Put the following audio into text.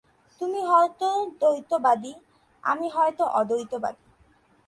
তুমি হয়তো দ্বৈতবাদী, আমি হয়তো অদ্বৈতবাদী।